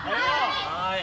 はい。